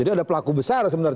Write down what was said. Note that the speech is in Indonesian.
jadi ada pelaku besar sebenarnya